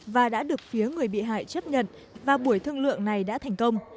và đã được phía người bị hại chấp nhận và buổi thương lượng này đã thành công